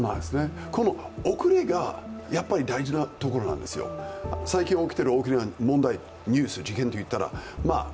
この遅れが大事なところなんですよ、最近起きている遅れが問題、ニュース事件といったら。